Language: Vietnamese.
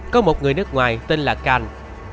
có một người nước ngoài tên là khanh